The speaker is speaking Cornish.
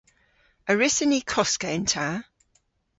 A wrussyn ni koska yn ta?